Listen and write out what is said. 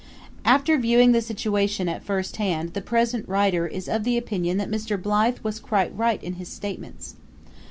After viewing the situation at first hand the present writer is of the opinion that Mr. Blythe was quite right in his statements.